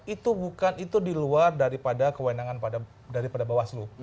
itu bukan itu diluar daripada kewenangan daripada bawaselu